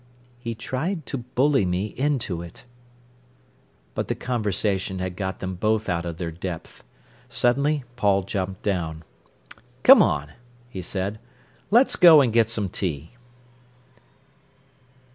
"He tried to bully me into it." But the conversation had got them both out of their depth. Suddenly Paul jumped down. "Come on," he said. "Let's go and get some tea."